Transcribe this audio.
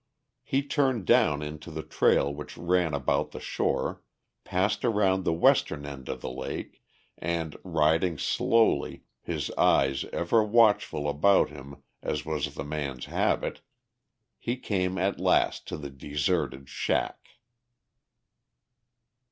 He turned down into the trail which ran about the shore, passed around the western end of the lake, and riding slowly, his eyes ever watchful about him as was the man's habit, he came at last to the deserted "shack."